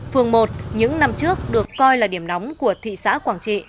phường một những năm trước được coi là điểm nóng của thị xã quảng trị